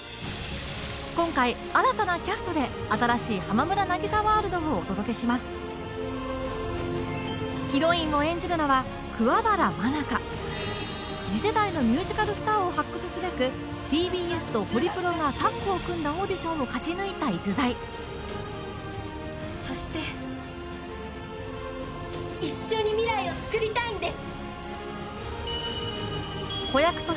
今回新たなキャストで新しい浜村渚ワールドをお届けしますヒロインを演じるのは桑原愛佳次世代のミュージカルスターを発掘すべくＴＢＳとホリプロがタッグを組んだオーディションを勝ち抜いた逸材そして一緒に未来をつくりたいんです